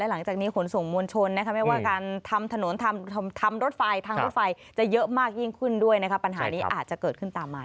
หลังจากนี้ขนส่งมวลชนนะคะไม่ว่าการทำถนนทำรถไฟทางรถไฟจะเยอะมากยิ่งขึ้นด้วยนะคะปัญหานี้อาจจะเกิดขึ้นตามมา